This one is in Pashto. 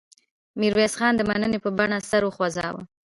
میرویس خان د مننې په بڼه سر وخوځاوه.